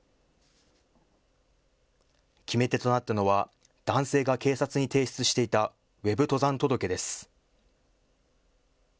決め手となったのは男性が警察に提出していたＷＥＢ登山届です。